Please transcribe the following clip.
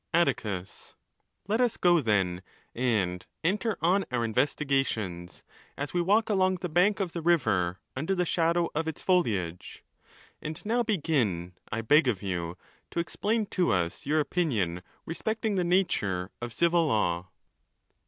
: Atticus.—Let us go, then, and enter on our investigations, as we walk along the bank of the river under the shadow of its foliage. And now begin, I beg of you, to explain to us your opinion respecting the nature of Civil Law.